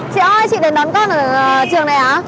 chị ơi chị đến đón con ở trường này á